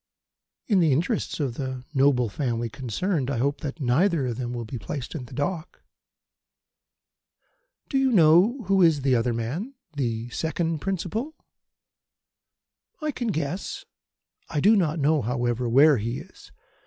"In the interests of the noble family concerned, I hope that neither of them will be placed in the dock." "Do you know who is the other man the second principal?" "I can guess. I do not know, however, where he is.